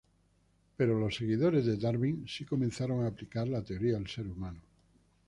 Pero los seguidores de Darwin sí comenzaron a aplicar la teoría al ser humano.